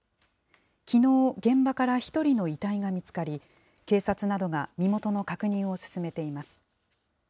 きのう、現場から１人の遺体が見つかり、警察などが身元の確認を進めています。